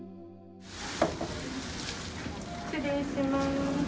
失礼します。